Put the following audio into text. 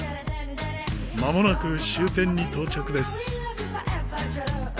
まもなく終点に到着です。